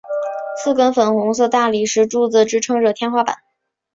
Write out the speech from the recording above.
四根粉红色大理石柱子支持着天花板。